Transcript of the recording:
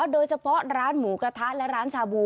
โดยเฉพาะร้านหมูกระทะและร้านชาบู